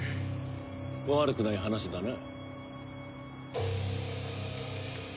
悪くない話だな。